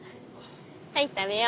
はい食べよ。